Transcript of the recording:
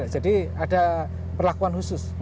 jadi ada perlakuan khusus